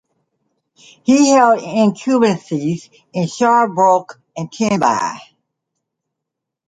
He held incumbencies in Sharnbrook and Tenby.